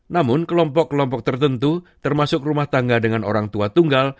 namun kelompok kelompok tertentu termasuk rumah tangga dengan orang tua tunggal